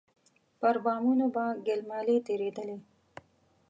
پر بامونو به ګيل مالې تېرېدلې.